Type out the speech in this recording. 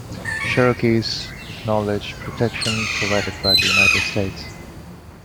Cherokees acknowledge protection provided by the United States.